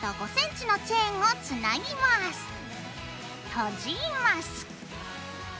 とじます。